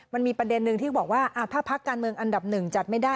มันมีประเด็นนึงที่บอกว่าถ้าพักการเมืองอันดับหนึ่งจัดไม่ได้